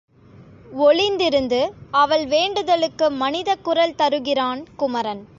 ஒளிந்திருந்து, அவள் வேண்டுதலுக்கு மனிதக் குரல் தருகிறான் குமரன்.